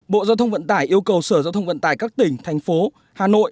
bộ giao thông vận tải yêu cầu sở giao thông vận tải các tỉnh thành phố hà nội